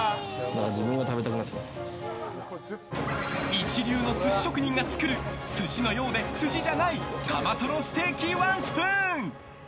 一流の寿司職人が作る寿司のようで寿司じゃないカマトロステーキワンスプーン。